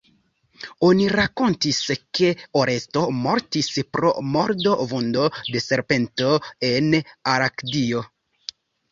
Oni rakontis ke Oresto mortis pro mordo-vundo de serpento en Arkadio.